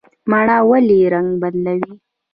مڼه ولې رنګ بدلوي؟